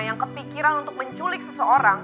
yang kepikiran untuk menculik seseorang